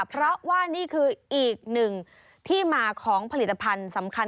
เพราะว่านี่คืออีกหนึ่งที่มาของผลิตภัณฑ์สำคัญ